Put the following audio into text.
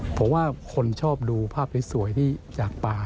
เพราะว่าคนชอบดูภาพสวยที่จากป่า